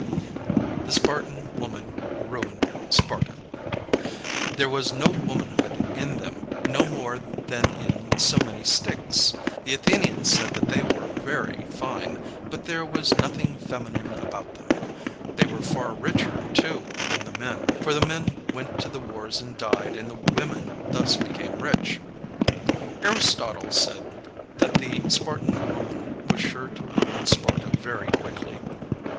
The Spartan Woman Ruined Sparta. There was no womanhood in them, no more than in so many sticks. The Athenians said that they were very fine, but there was nothing feminine about them. They were far richer, too, than the men, for the men went to the wars and died, and the women thus became rich. Aristotle said that the Spartan woman was sure to ruin Sparta very quickly.